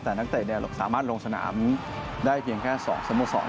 แต่นักเตะสามารถลงสนามได้เพียงแค่๒สโมสร